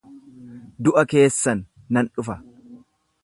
Du'a keessan nan dhufa!